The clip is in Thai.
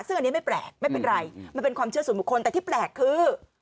ซึ่งอันนี้ไม่แปลกไม่เป็นไรมันเป็นความเชื่อส่วนบุคคลแต่ที่แปลกคือ